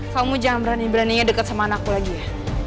kamu jangan berani beraninya deket sama anakku lagi ya